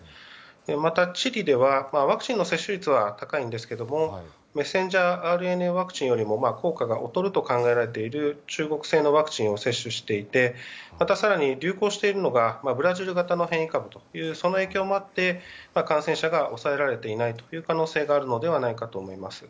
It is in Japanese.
また、チリではワクチンの接種率は高いんですけどもメッセンジャーＲＮＡワクチンよりも効果が劣ると考えられている中国製のワクチンを接種していてまた更に流行しているのがブラジル型の変異株というその影響もあって感染者が抑えられていない可能性があるのではないかと思います。